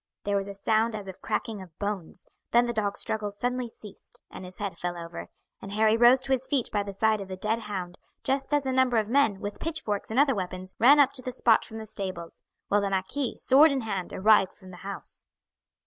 There was a sound as of cracking of bones, then the dog's struggles suddenly ceased, and his head fell over, and Harry rose to his feet by the side of the dead hound just as a number of men, with pitch forks and other weapons, ran up to the spot from the stables, while the marquis, sword in hand, arrived from the house.